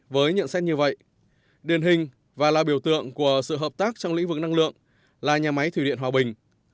với nhận xét như vậy điển hình và là biểu tượng của sự hợp tác trong lĩnh vực năng lượng là nhà máy thủy điện hòa bình